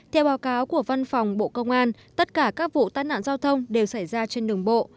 theo báo cáo của văn phòng bộ công an tất cả các vụ tai nạn giao thông đều xảy ra trên đường bộ